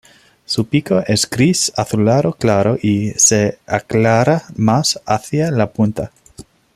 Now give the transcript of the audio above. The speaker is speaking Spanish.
Su pico es gris azulado claro y se aclara más hacia la punta.